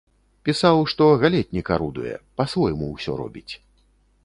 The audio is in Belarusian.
Пісаў, што галетнік арудуе, па-свойму ўсё робіць.